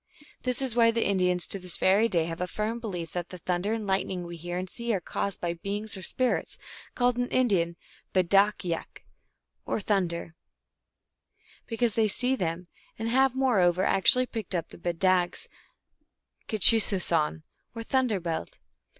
This is why the Indians to this very day have a firm belief that the thunder and lightning we hear and see are caused by (beings or spirits) (called) in Indian Bed dag yek (or thunder), 1 because they see them, and have, moreover, actually picked up the bed dags k chisousan, or thunder bullet.